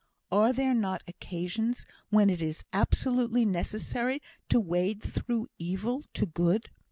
Are there not occasions when it is absolutely necessary to wade through evil to good?